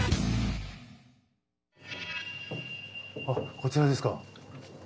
こちらですか。